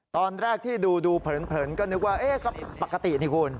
ตอนแรกที่ดูเผินก็นึกว่าก็ปกตินี่คุณ